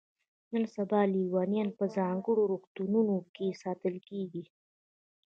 نن سبا لیونیان په ځانګړو روغتونونو کې ساتل کیږي.